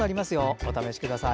お試しください。